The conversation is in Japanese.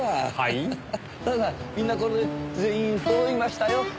みんなこれで全員揃いましたよ。